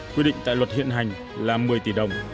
quy định tại luật hiện hành là một mươi tỷ đồng